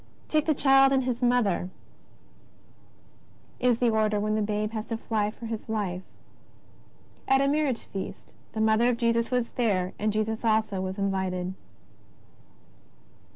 '' Take the Child and His Mother," is the order when the Babe has to fly for His life. At a marriage feast ^^ the Mother of Jesus was there, and Jesus also was invited."